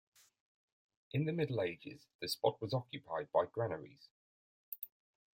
In the Middle Ages, the spot was occupied by granaries.